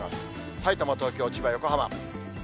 さいたま、東京、千葉、横浜。